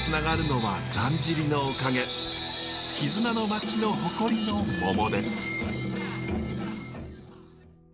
絆の町の誇りのモモです。